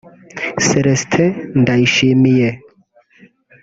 Celestin Ndayishimiye